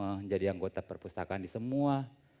dan saya ingin menjadi anggota perpustakaan di semua